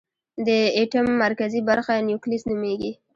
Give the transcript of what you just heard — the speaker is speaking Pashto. د ایټم مرکزي برخه نیوکلیس نومېږي.